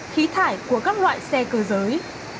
khí thải của các loại xe cơ giới